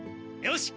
よし！